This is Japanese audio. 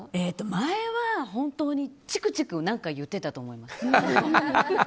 前は本当に、チクチク何か言っていたと思います。